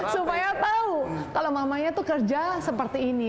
supaya tau kalau mamanya tuh kerja seperti ini